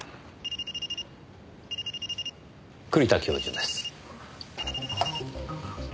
栗田教授です。